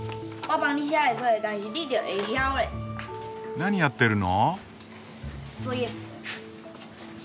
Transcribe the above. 何やってるの？